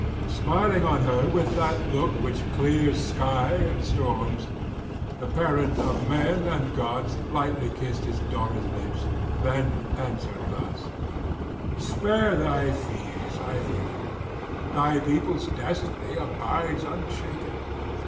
Smiling on her with that look which clears sky and [255 289]storms, the parent of men and gods lightly kissed his daughter's lips; then answered thus: 'Spare thy fear, Cytherean; thy people's destiny abides unshaken.